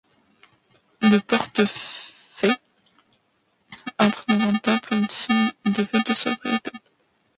Le portefaix entre dans un temple où il signe des vœux de sobriété.